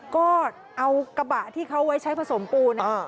ก็เอากระบะที่เขาไว้ใช้ผสมปูเนี่ย